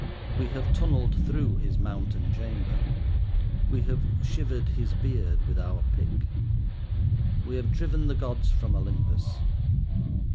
We have tunnelled through his mountain chamber. We have shivered his beard with our pick. We have driven the gods from Olympus.